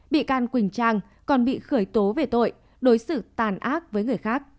bị can quỳnh trang còn bị khởi tố về tội đối xử tàn ác với người khác